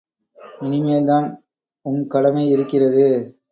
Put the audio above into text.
இனிமேல்தான் உம் கடமை இருக்கிறது.